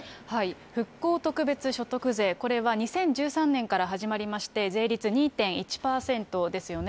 復興特別所得税、これは２０１３年から始まりまして、税率２．１％ですよね。